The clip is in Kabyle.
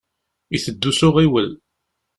Iteddu s uɣiwel.